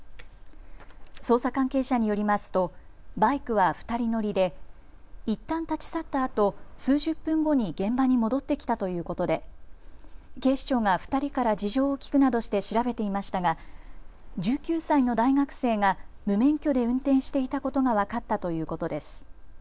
捜査関係者によりますとバイクは２人乗りでいったん立ち去ったあと数十分後に現場に戻ってきたということで警視庁が２人から事情を聴くなどして調べていましたが１９歳の大学生が無免許で運転していたことが分かったということです。